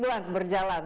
tujuh bulan berjalan